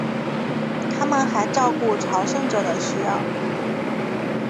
他们还照顾朝圣者的需要。